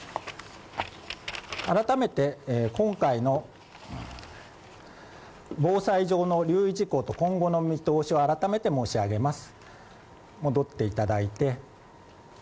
改めて今回の防災上の留意事項と今後の見通しを改めて申し上げます。